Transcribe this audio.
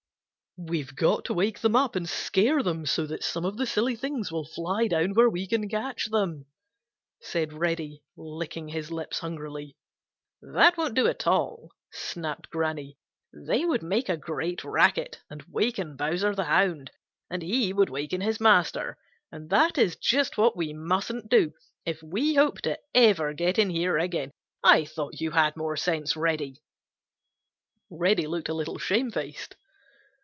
"We've got to wake them up and scare them so that some of the silly things will fly down where we can catch them," said Reddy, licking his lips hungrily. "That won't do at all!" snapped Granny. "They would make a great racket and waken Bowser the Hound, and he would waken his master, and that is just what we mustn't do if we hope to ever get in here again. I thought you had more sense, Reddy." Reddy looked a little shamefaced.